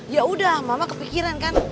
ya udah mama kepikiran kan